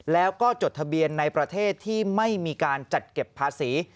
แล้วก็จดทะเบียนในประเทศที่ไม่มีการจัดเก็บภาษี